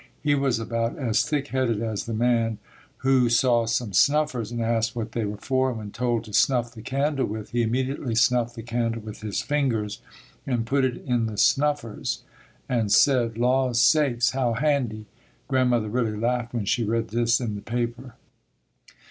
He was about as thick headed as the man who saw some snuffers and asked what they were for and when told to snuff the candle with, he immediately snuffed the candle with his fingers and put it in the snuffers and said, "Law sakes, how handy!" Grandmother really laughed when she read this in the paper.